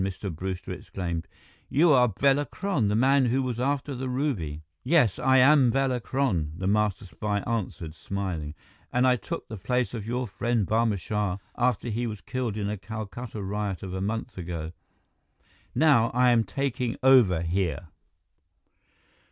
Mr. Brewster exclaimed. "You are Bela Kron, the man who was after the ruby!" "Yes, I am Bela Kron," the master spy answered, smiling. "And I took the place of your friend Barma Shah after he was killed in a Calcutta riot of a month ago. Now, I am taking over here!"